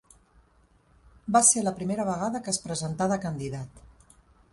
Va ser la primera vegada que es presentar de candidat.